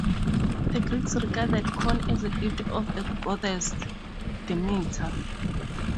The Greeks regarded corn as a gift of the goddess Demeter.